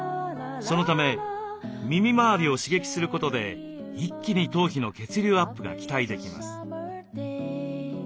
そのため耳周りを刺激することで一気に頭皮の血流アップが期待できます。